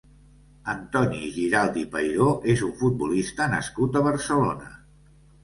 Antoni Giralt i Peiró és un futbolista nascut a Barcelona.